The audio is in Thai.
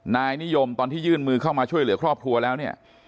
นายนิยมตอนที่ยื่นมือเข้ามาช่วยเหลือครอบครัวแล้วเนี่ย